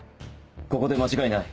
ここで間違いない。